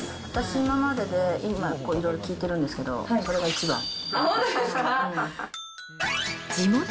私、今までで、今、いろいろ聞いてるんですけど、それが一番。